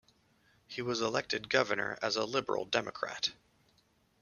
He was elected governor as a liberal Democrat.